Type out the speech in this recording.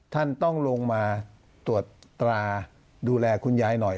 ท่านต้องลงมาตรวจตราดูแลคุณยายหน่อย